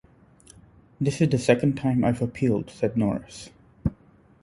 "This is the second time I've appealed," said Norris.